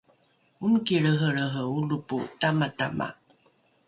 omiki lrehelrehe olopo tamatama